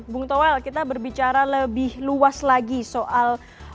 bung toel kita berbicara lebih luas lagi soal